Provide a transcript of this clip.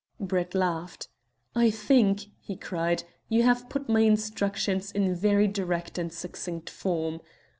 Brett laughed. "I think," he cried, "you have put my instructions in very direct and succinct form.